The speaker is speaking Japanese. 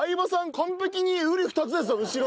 完璧にうり二つですよ後ろと。